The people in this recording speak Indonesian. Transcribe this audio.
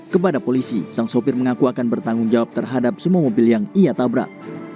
kepada polisi sang sopir mengaku akan bertanggung jawab terhadap semua mobil yang ia tabrak